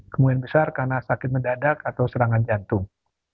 kemungkinan besar karena sakit mendadak atau serangan jantung